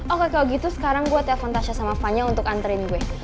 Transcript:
oke kalau gitu sekarang gue telepon tasya sama fanya untuk anterin gue